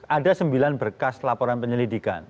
ada sembilan berkas laporan penyelidikan